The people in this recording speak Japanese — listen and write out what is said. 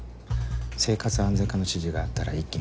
生活安全課の指示があったら一気に逮捕。